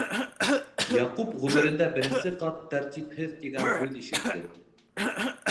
Яҡуп ғүмерендә беренсе ҡат «тәртипһеҙ» тигән һүҙ ишетте.